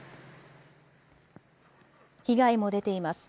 被害も出ています。